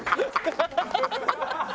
ハハハハ！